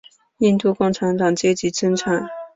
印度共产党阶级斗争。